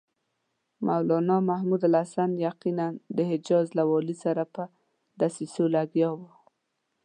مولنا محمودالحسن یقیناً د حجاز له والي سره په دسیسو لګیا و.